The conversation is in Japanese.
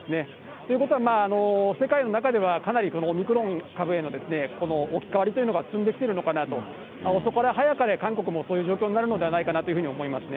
ということは、世界の中では、かなりこのオミクロン株へのこの置き換わりというのが進んできているのかなと、遅かれ早かれ、韓国もそういう状況になるのではないかなというふうに思いますね。